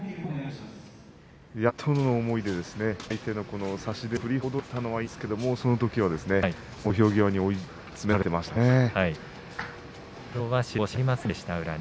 やっとの思いで相手の差し手を振りほどいたのはいいんですけどそのときは、もう土俵際に追い詰められていましたからね。